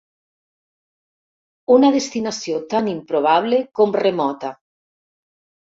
Una destinació tan improbable com remota.